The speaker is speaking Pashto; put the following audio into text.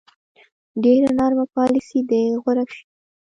ډېره نرمه پالیسي دې غوره شي.